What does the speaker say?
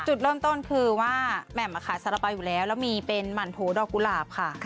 จุดเริ่มต้นคือว่าแหม่มขายสารเป๋าอยู่แล้วแล้วมีเป็นหมั่นโถดอกกุหลาบค่ะ